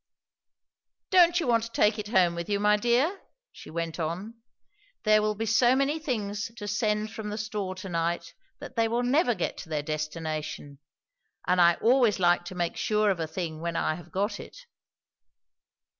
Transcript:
"Don't you want to take it home with you, my dear?" she went on. "There will be so many things to send from the store to night that they will never get to their destination; and I always like to make sure of a thing when I have got it.